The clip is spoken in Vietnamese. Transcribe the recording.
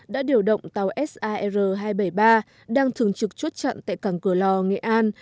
đã điều động tàu sar hai trăm bảy mươi ba đang thường trực chốt chặn tại cảng cửa lò nghệ an